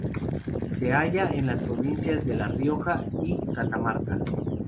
Se halla en las provincias de La Rioja y Catamarca.